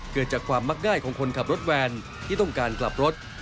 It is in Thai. เกิดจากความมักง่ายของคนขับรถแวนที่ต้องการกลับรถ